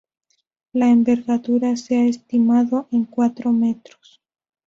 La envergadura se ha estimado en cuatro metros.